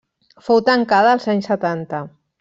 Fou tancada els anys setanta.